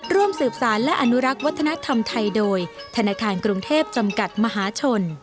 ร่วมสืบสารและอนุรักษ์วัฒนธรรมไทยโดยธนาคารกรุงเทพจำกัดมหาชน